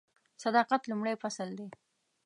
صداقت لومړی فصل دی .